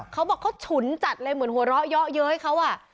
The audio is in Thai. เขาบอกเขาฉุนจัดเลยเหมือนหัวเราะเยอะเย้ยเขาอ่ะ